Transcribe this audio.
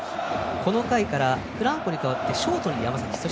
この回からフランコに代わって山崎。